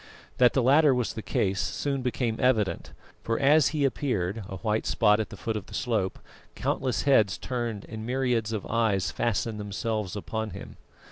That the latter was the case soon became evident, for as he appeared, a white spot at the foot of the slope, countless heads turned and myriads of eyes fastened themselves upon him.